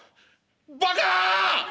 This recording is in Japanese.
「バカ！